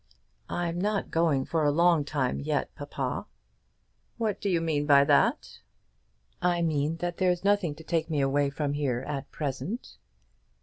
"I'm not going for a long time yet, papa." "What do you mean by that?" "I mean that there's nothing to take me away from here at present."